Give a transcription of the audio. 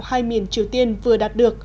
hai miền triều tiên vừa đạt được